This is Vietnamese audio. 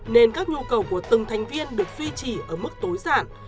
nên các nhu cầu của từng thành viên được duy trì ở mức tối giản